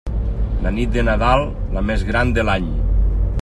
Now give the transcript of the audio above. La nit de Nadal, la més gran de l'any.